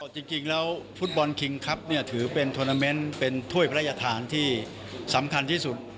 จริงแล้วฟุตบอลคิงครับถือเป็นทวนาเมนต์เป็นถ้วยพระราชทานที่สำคัญที่สุด